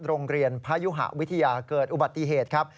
โรงเรียนพยุหะวิทยาเกิดอุบัติเหตุครับ